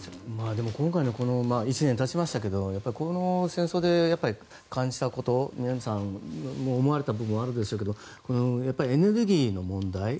でも今回もう１年経ちましたがこの戦争で感じたこと、皆さん思われた部分もあるでしょうけどやっぱりエネルギーの問題。